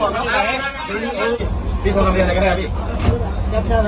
การการ